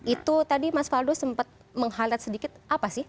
itu tadi mas faldo sempat meng highlight sedikit apa sih